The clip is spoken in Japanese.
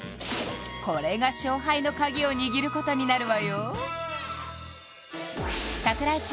これが勝敗のカギを握ることになるわよ